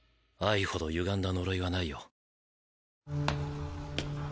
愛ほどゆがんだ呪いはないよ。